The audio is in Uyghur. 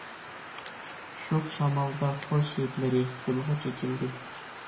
شوخ شامالدا خۇش ھىدلىرى، دىلغا چېچىلدى.